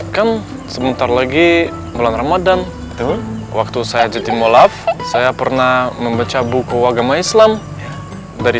kan sebentar lagi bulan ramadhan waktu saya jatim molaf ⁇ saya pernah membaca buku agama islam dari